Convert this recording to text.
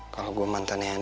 kalo gua mantannya adriana